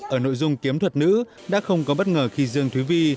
ở nội dung kiếm thuật nữ đã không có bất ngờ khi dương thúy vi